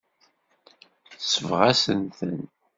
Tesbeɣ-asen-ten.